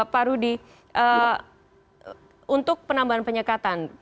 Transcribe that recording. pak rudy untuk penambahan penyekatan